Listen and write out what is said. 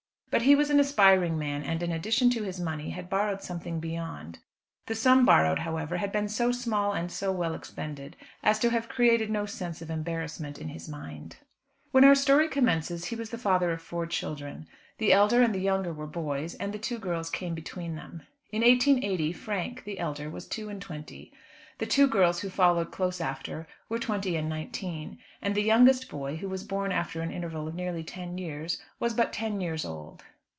But he was an aspiring man, and in addition to his money had borrowed something beyond. The sum borrowed, however, had been so small and so well expended, as to have created no sense of embarrassment in his mind. When our story commences he was the father of four children. The elder and the younger were boys, and two girls came between them. In 1880, Frank, the elder, was two and twenty. The two girls who followed close after were twenty and nineteen, and the youngest boy, who was born after an interval of nearly ten years, was but ten years old.